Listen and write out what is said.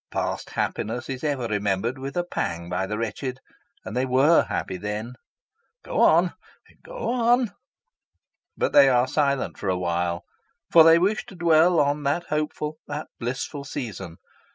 Past happiness is ever remembered with a pang by the wretched, and they were happy then. Go on go on! But they are silent for awhile, for they wish to dwell on that hopeful, that blissful season.